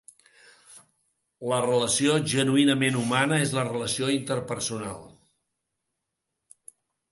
La relació genuïnament humana és la relació interpersonal.